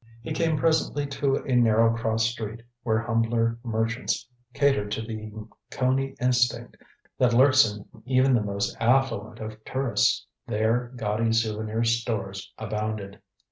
He came presently to a narrow cross street, where humbler merchants catered to the Coney instinct that lurks in even the most affluent of tourists. There gaudy souvenir stores abounded.